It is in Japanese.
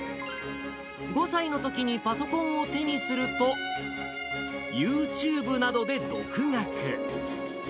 ５歳のときにパソコンを手にすると、ユーチューブなどで独学。